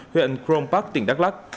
huyện chrome park tỉnh đắk lắc